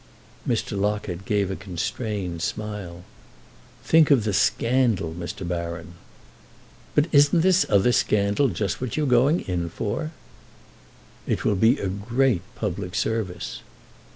Mr. Locket gave a constrained smile. "Think of the scandal, Mr. Baron." "But isn't this other scandal just what you're going in for?" "It will be a great public service."